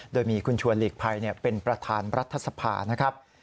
โดยมีคุณชวนหลีกภัยเป็นประธานรัฐศพา